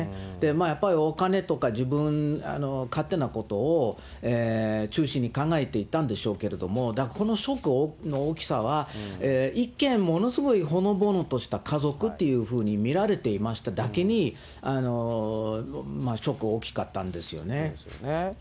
やっぱりお金とか、自分勝手なことを中心に考えていたんでしょうけれども、このショックの大きさは、一見、ものすごいほのぼのとした家族っていうふうに見られていましただけに、ショック大きかったんですよね。